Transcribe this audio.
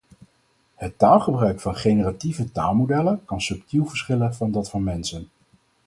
Het taalgebruik van generative taalmodellen kan subtiel verschillen van dat van mensen.